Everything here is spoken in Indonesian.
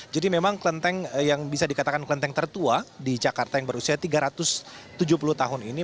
jadi memang kelenteng yang bisa dikatakan kelenteng tertua di jakarta yang berusia tiga ratus tujuh puluh tahun ini